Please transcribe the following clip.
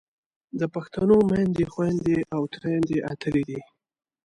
د پښتنو میندې، خویندې او تریندې اتلې دي.